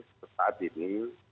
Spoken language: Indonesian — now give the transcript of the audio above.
seperti saat ini